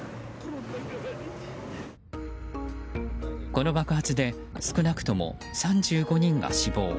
この爆発で少なくとも３５人が死亡。